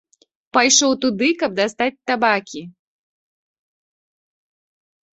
Пайшоў туды, каб дастаць табакі.